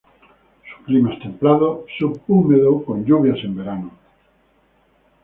Su clima es templado subhúmedo con lluvias en verano.